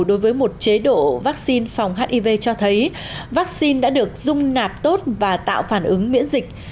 đối với một chế độ vaccine phòng hiv cho thấy vaccine đã được dung nạp tốt và tạo phản ứng miễn dịch